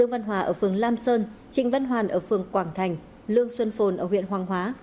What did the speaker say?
văn hòa ở phường lam sơn trịnh văn hoàn ở phường quảng thành lương xuân phồn ở huyện hoàng hóa